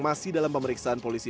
masih dalam pemeriksaan polisi